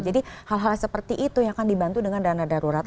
jadi hal hal seperti itu yang akan dibantu dengan dana darurat